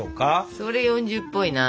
それ４０っぽいな。